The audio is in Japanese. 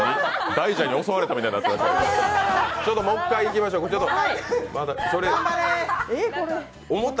大蛇に襲われたみたいになってました。